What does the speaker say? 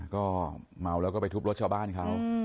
ก็เมาแล้วก็ไปทุบรถชาวบ้านเขา